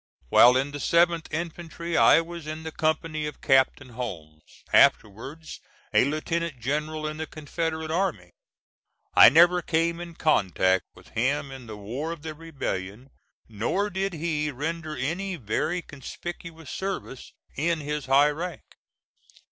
While in the 7th infantry I was in the company of Captain Holmes, afterwards a Lieutenant general in the Confederate army. I never came in contact with him in the war of the Rebellion, nor did he render any very conspicuous service in his high rank.